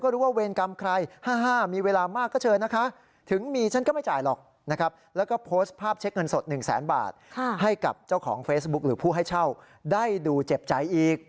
รับอาจจะได้ดูเจ็บใจอีก